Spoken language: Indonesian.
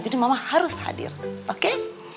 jadi mama harus hadir oke